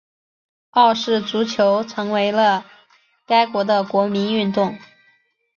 澳式足球成为了该国的国民运动。